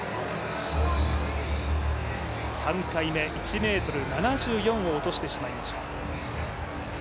３回目、１ｍ７４を落としてしまいました。